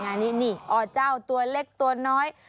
งานนี้นี่อเจ้าตัวเล็กตัวน้อย